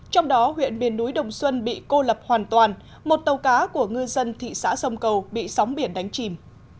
trong đó huyện miền núi đồng xuân bị cô lập hoàn toàn một tàu cá của ngư dân thị xã sông cầu bị sóng biển đánh chìm